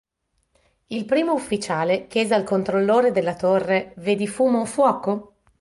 Il primo ufficiale chiese al controllore della torre "vedi fumo o fuoco?".